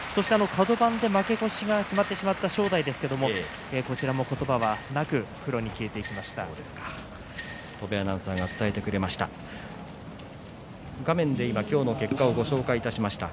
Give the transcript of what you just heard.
カド番で負け越しが決まってしまった正代ですが、これも言葉はなく風呂に消えていきました。